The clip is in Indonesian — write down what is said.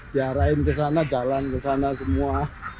diarahin ke sana jalan ke sana semua